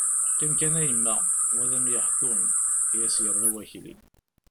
- Qqim kan a yemma, wa ad am-yeḥkun! I as-yerra Wakli.